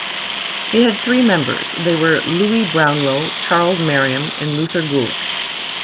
It had three members; they were Louis Brownlow, Charles Merriam, and Luther Gulick.